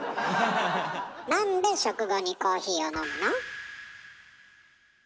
なんで食後にコーヒーを飲むの？